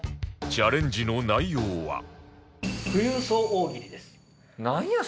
チャレンジの内容はなんや？